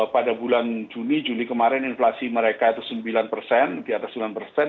pada bulan juni juli kemarin inflasi mereka itu sembilan persen di atas sembilan persen